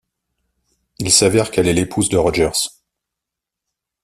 Il s'avère qu'elle est l'épouse de Rogers.